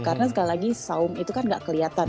karena sekali lagi sholat itu kan gak kelihatan